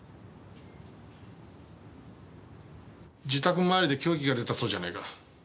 自宅周りで凶器が出たそうじゃないか。